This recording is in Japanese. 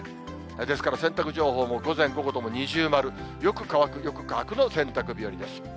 ですから洗濯情報も午前、午後とも二重丸、よく乾く、よく乾くの洗濯日和です。